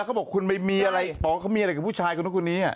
เขาบอกคุณไม่มีอะไรกับผู้ชายคนนี้